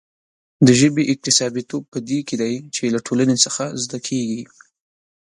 د ژبې اکتسابيتوب په دې کې دی چې له ټولنې څخه زده کېږي.